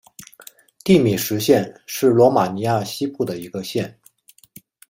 蒂米什县是罗马尼亚西部的一个县。